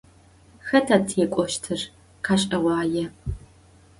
Хэта текӏощтыр? Къэшӏэгъуае.